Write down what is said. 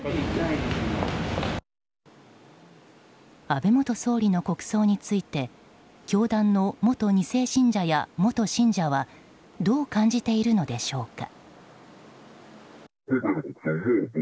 安倍元総理の国葬について教団の元２世信者や元信者はどう感じているのでしょうか。